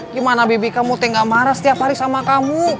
gimana baby kamu tuh gak marah setiap hari sama kamu